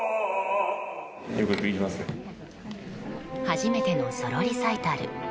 初めてのソロリサイタル。